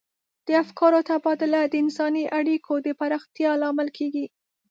د افکارو تبادله د انساني اړیکو د پراختیا لامل کیږي.